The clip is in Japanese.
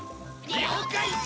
了解！